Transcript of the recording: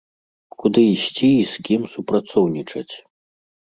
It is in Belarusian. Куды ісці і з кім супрацоўнічаць?